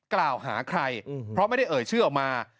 กล่าวหาใครเพราะไม่ได้เอ่ยชื่อออกมา